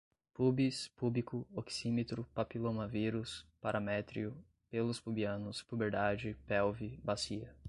púbis, púbico, oxímetro, papilomavírus, paramétrio, pelos pubianos, puberdade, pelve, bacia